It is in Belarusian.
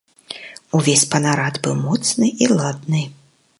Увесь панарад быў моцны і ладны.